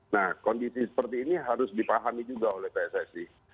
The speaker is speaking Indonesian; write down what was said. nah kondisi seperti ini harus dipahami juga oleh pssi